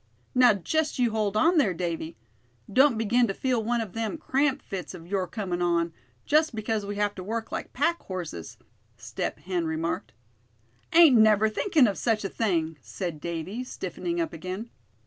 "Now, just you hold on, there, Davy; don't begin to feel one of them cramp fits of your comin' on, just because we have to work like pack horses," Step Hen remarked. "Ain't never thinking of such a thing," said Davy, stiffening up again.